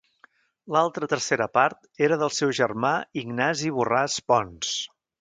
L'altra tercera part era del seu germà Ignasi Borràs Pons.